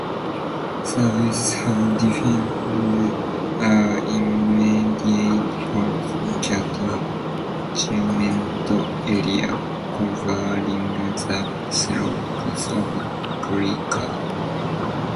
Surveys have defined a immediate pot catchment area covering the slopes of Cuilcagh.